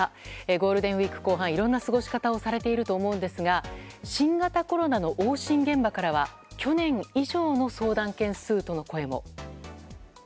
ゴールデンウィーク後半いろいろな過ごし方をされていると思いますが新型コロナの往診現場からは去年以上の相談件数との声も。